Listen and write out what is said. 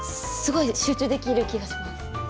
すごい集中できる気がします。